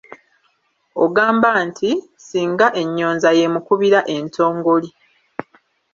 Ogamba nti: Singa ennyonza y'emukubira entongoli.